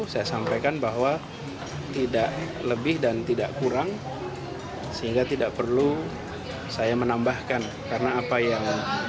saya sampaikan bahwa tidak lebih dan tidak kurang sehingga tidak perlu saya menambahkan